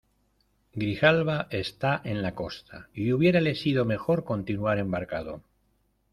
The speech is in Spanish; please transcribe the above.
Grijalba está en la costa, y hubiérale sido mejor continuar embarcado.